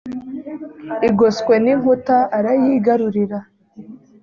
igoswe n inkuta arayigarurira